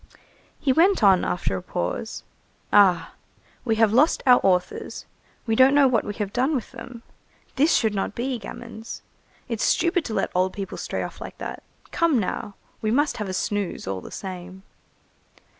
He went on, after a pause:— "Ah! we have lost our authors. We don't know what we have done with them. This should not be, gamins. It's stupid to let old people stray off like that. Come now! we must have a snooze all the same."